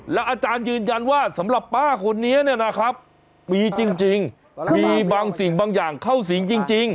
อาจารย์ยืนยันว่าสำหรับป้าคนนี้เนี่ยนะครับมีจริงมีบางสิ่งบางอย่างเข้าสิงจริง